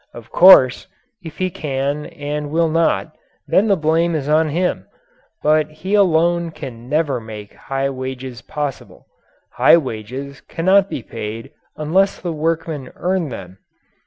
Of course, if he can and will not, then the blame is on him. But he alone can never make high wages possible. High wages cannot be paid unless the workmen earn them.